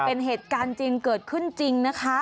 เป็นเหตุการณ์จริงเกิดขึ้นจีน